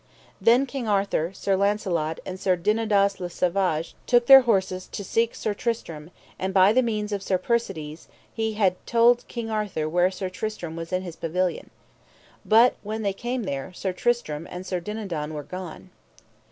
Then King Arthur, Sir Launcelot, and Sir Dodinas le Savage took their horses to seek Sir Tristram, and by the means of Sir Persides he had told King Arthur where Sir Tristram was in his pavilion. But when they came there, Sir Tristram and Sir Dinadan were gone.